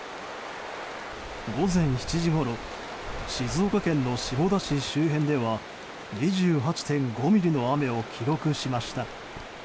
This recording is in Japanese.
午前７時ごろ静岡県の下田市周辺では２８．５ミリの雨を記録しました。